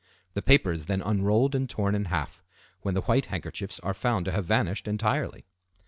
The paper is then unrolled and torn in half, when the white handkerchiefs are found to have vanished entirely.